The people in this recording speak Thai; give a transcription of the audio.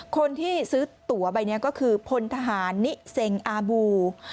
คนที่ซื้อตัวใบนี้ก็คือพลทหารนิเซงอาบู